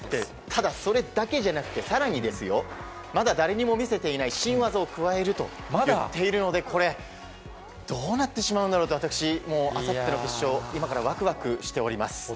ただ、それだけじゃなくて、さらにですよ、まだ誰にも見せていない新技を加えると言っているので、これ、どうなってしまうんだろうと、私、もうあさっての決勝、今からわくわくしております。